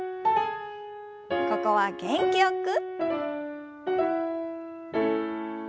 ここは元気よく。